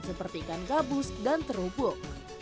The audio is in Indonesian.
seperti ikan gabus dan terupuk